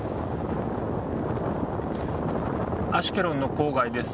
アシュケロンの郊外です。